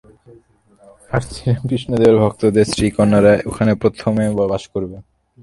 আর শ্রীরামকৃষ্ণদেবের ভক্তদের স্ত্রী-কন্যারা ওখানে প্রথমে বাস করবে।